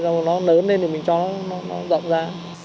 nó lớn lên thì mình cho nó rộng ra